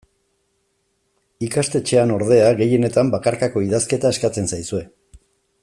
Ikastetxean, ordea, gehienetan bakarkako idazketa eskatzen zaizue.